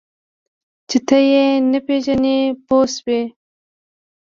چې ته یې نه پېژنې پوه شوې!.